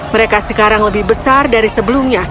mereka sekarang lebih besar dari sebelumnya